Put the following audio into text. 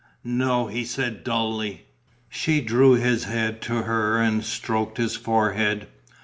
"No," he said, dully. She drew his head to her and stroked his forehead.